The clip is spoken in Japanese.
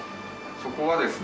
そこはですね